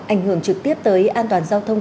ảnh hưởng trực tiếp tới an toàn giao thông